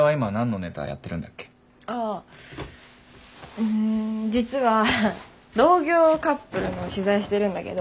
ああ実は同業カップルの取材してるんだけど。